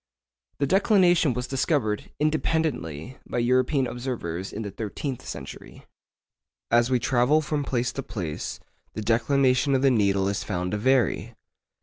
The declination was discovered, independently, by European observers in the thirteenth century. As we travel from place to place, the declination of the needle is found to vary.